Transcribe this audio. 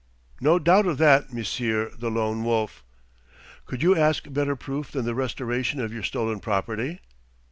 "No doubt of that, Monsieur the Lone Wolf!" "Could you ask better proof than the restoration of your stolen property?"